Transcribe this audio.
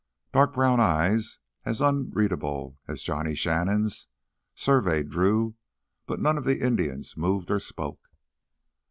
Dark brown eyes, as unreadable as Johnny Shannon's, surveyed Drew, but none of the Indians moved or spoke.